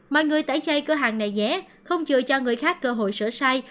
mọi người tẩy chay cửa hàng này nhé không chờ cho người khác cơ hội sửa sai